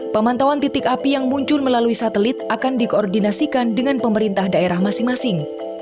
pemantauan titik api yang muncul melalui satelit akan dikoordinasikan dengan pemerintah daerah masing masing